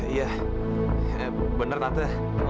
iya bener tante